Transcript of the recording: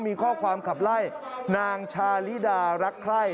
มีข้อความขับไล่นางชาลิดารักใคร่